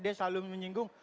dia selalu menyinggung